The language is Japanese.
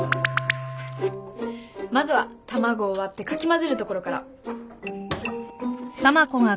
まずは卵を割ってかき混ぜるところから。